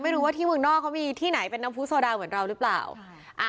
ไม่รู้ว่าที่เมืองนอกเขามีที่ไหนเป็นน้ำผู้โซดาเหมือนเราหรือเปล่า